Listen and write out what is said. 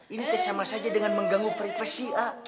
ini tersama saja dengan mengganggu privasi